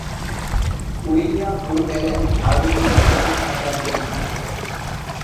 William ও Ellen Hardinge দম্পতির সন্তান তিনি।